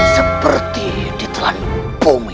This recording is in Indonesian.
seperti ditelan bumi